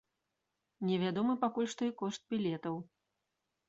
Невядомы пакуль што і кошт білетаў.